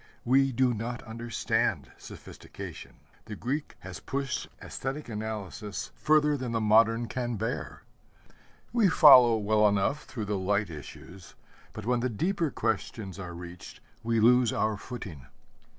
We do not understand sophistication. The Greek has pushed aesthetic analysis further than the modern can bear. We follow well enough through the light issues, but when the deeper questions are reached we lose our footing.